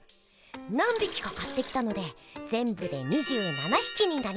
何びきか買ってきたのでぜんぶで２７ひきになりました。